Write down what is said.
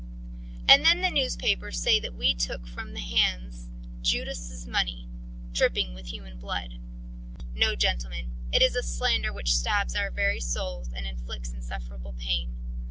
"And then the newspapers say that we took from these hands Judas money, dripping with human blood. No, gentlemen, it is a slander which stabs our very soul, and inflicts insufferable pain.